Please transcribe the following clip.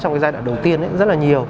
trong giai đoạn đầu tiên rất là nhiều